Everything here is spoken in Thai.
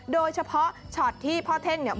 โดยเฉพาะชอตที่พ่อเท่ง